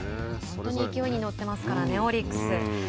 勢いに乗ってますからねオリックス。